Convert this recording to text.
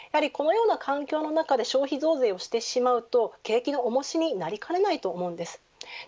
このような環境の中で消費増税をしてしまうと景気の重しになりかねないと思います。